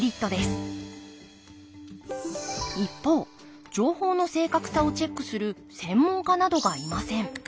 一方情報の正確さをチェックする専門家などがいません。